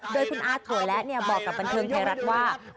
โดยคุณอาถั่วและบอกกับบันเทิงไทยรัฐว่า